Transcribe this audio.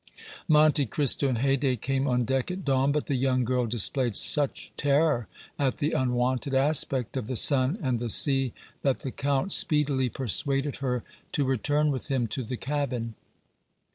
Monte Cristo and Haydée came on deck at dawn, but the young girl displayed such terror at the unwonted aspect of the sun and the sea that the Count speedily persuaded her to return with him to the cabin.